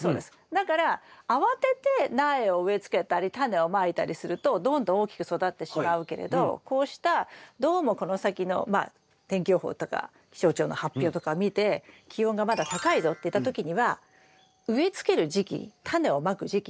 だから慌てて苗を植え付けたりタネをまいたりするとどんどん大きく育ってしまうけれどこうしたどうもこの先のまあ天気予報とか気象庁の発表とかを見て気温がまだ高いぞっていった時には植え付ける時期タネをまく時期を少しずらす。